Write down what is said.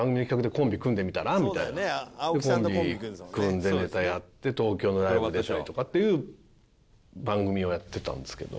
でコンビ組んでネタやって東京のライブ出たりとかっていう番組をやってたんですけど。